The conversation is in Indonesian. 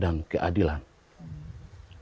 dan itu adalah hal yang sangat penting